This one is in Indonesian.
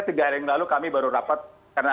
tiga hari yang lalu kami baru rapat karena